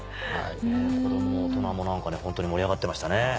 子供も大人もホントに盛り上がってましたね。